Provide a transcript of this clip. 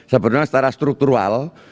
sebenarnya secara struktural